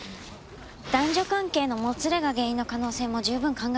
男女関係のもつれが原因の可能性も十分考えられますね。